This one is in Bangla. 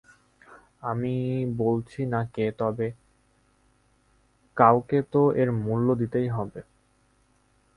আমি বলছি না কে, তবে কেউকে তো এর মূল্য দিতেই হবে।